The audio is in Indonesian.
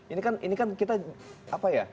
ini kan kita